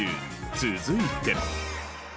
続いて。